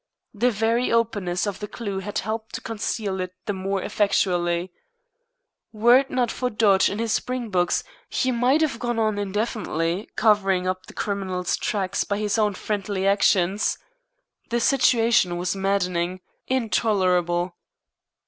The very openness of the clue had helped to conceal it the more effectually. Were it not for Dodge and his Springboks he might have gone on indefinitely covering up the criminal's tracks by his own friendly actions. The situation was maddening, intolerable.